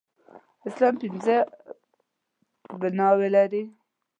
اسلام پينځه بلاوي لري.